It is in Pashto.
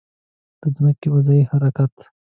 د ځمکې وضعي حرکت